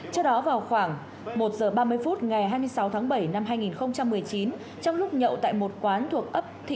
trước đó vào khoảng một giờ ba mươi phút ngày hai mươi sáu tháng bảy năm hai nghìn một mươi chín trong lúc nhậu tại một quán thuộc ấp